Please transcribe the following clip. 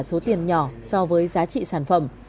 số tiền nhỏ so với giá trị sản phẩm